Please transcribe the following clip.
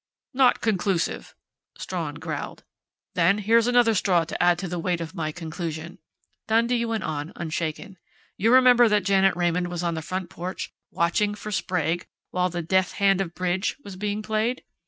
"Not conclusive," Strawn growled. "Then here's another straw to add to the weight of my conclusion," Dundee went on unshaken. "You remember that Janet Raymond was on the front porch watching for Sprague, while the 'death hand of bridge' was being played?...